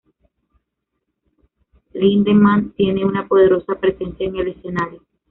Lindemann tiene una poderosa presencia en el escenario.